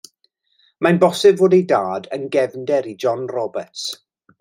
Mae'n bosib fod ei dad yn gefnder i John Roberts.